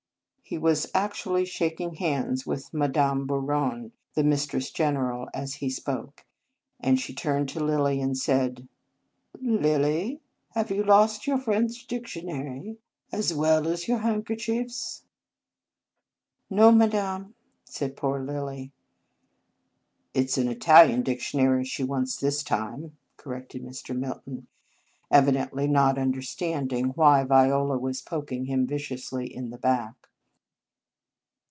He was actually shaking hands with Madame Bouron, the Mistress Gen eral, as he spoke, and she turned to Lilly, and said :" Lilly, have you lost your French dictionary, as well as all your handker chiefs?" " No, madame," said poor Lilly. " It s an Italian dictionary she wants this time," corrected Mr. Mil ton, evidently not understanding why 10 Marianus Viola was poking him viciously in the back.